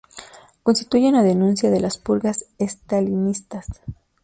Constituye una denuncia de las purgas estalinistas.